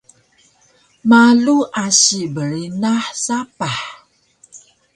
malu asi brinah sapah